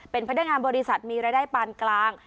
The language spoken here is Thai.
เป็นพนักงานบริษัทมีรายได้ปานกลาง